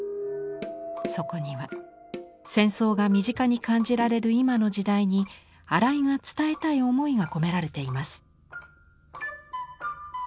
そこには戦争が身近に感じられる今の時代に荒井が伝えたい思いが込められています。